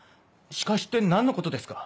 仕返しって何のことですか？